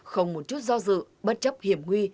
không một chút do dự bất chấp hiểm nguy